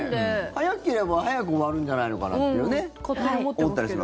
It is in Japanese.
早ければ早く終わるんじゃないのかなって思ったりしますけど。